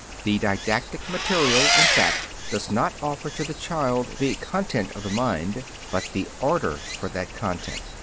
The didactic material, in fact, does not offer to the child the "content" of the mind, but the order for that "content."